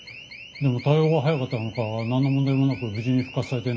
でも対応が早かったのか何の問題もなく無事に復活されてね。